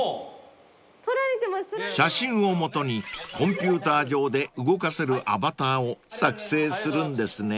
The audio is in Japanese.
［写真をもとにコンピューター上で動かせるアバターを作製するんですね］